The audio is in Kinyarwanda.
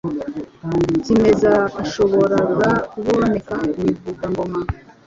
kimeza ahashoboraga kuboneka Imivugangoma